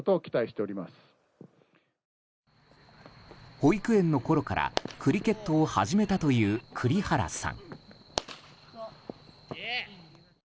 保育園のころからクリケットを始めたという栗原さん。